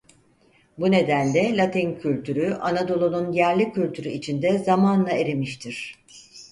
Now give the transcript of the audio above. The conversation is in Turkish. Bu nedenle Latin kültürü Anadolu'nun yerli kültürü içinde zamanla erimiştir.